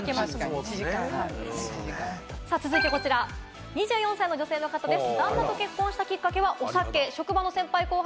続いてこちら、２４歳の女性の方です。